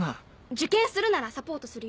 受験するならサポートするよ。